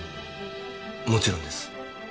もちろんです。